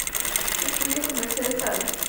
Estudió con Mercedes Alas.